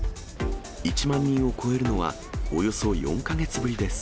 １万人を超えるのはおよそ４か月ぶりです。